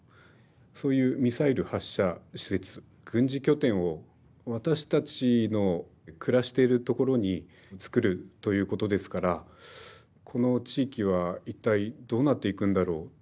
そういうミサイル発射施設軍事拠点を私たちの暮らしているところに造るということですから「この地域は一体どうなっていくんだろう」。